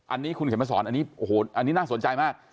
อันนี้คุณเขียนมาสอนอันนี้น่าสนใจมาก